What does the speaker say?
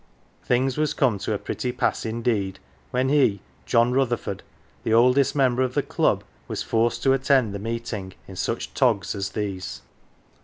Things was come to a pretty pass indeed when he, John Rutherford, the oldest member of the Club, was forced to attend the meeting in such " togs " as these